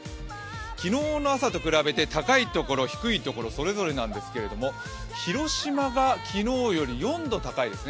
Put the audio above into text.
昨日の朝と比べて高いところ低いところ、それぞれなんですけれども、広島が昨日より４度高いですね。